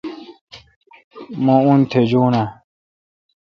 مہ ان تھجون اؘ۔